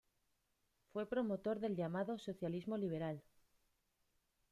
Fue promotor del llamado socialismo liberal.